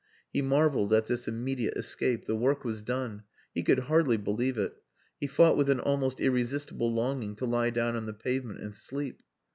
He marvelled at this immediate escape. The work was done. He could hardly believe it. He fought with an almost irresistible longing to lie down on the pavement and sleep.